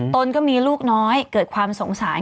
ตนก็มีลูกน้อยเกิดความสงสัย